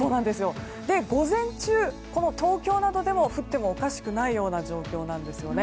午前中、東京などでも降ってもおかしくない状況です。